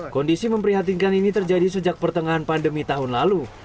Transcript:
kondisi memprihatinkan ini terjadi sejak pertengahan pandemi tahun lalu